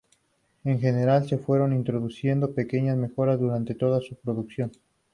En general se fueron introduciendo pequeñas mejoras durante toda su producción.